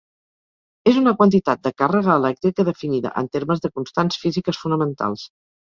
És una quantitat de càrrega elèctrica definida en termes de constants físiques fonamentals.